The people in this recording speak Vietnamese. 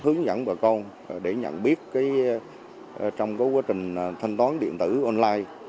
hướng dẫn bà con để nhận biết trong quá trình thanh toán điện tử online